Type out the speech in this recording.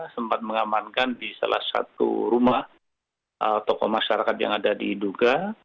sempat mengamankan di salah satu rumah tokoh masyarakat yang ada di duga